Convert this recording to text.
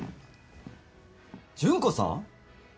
純子さん！？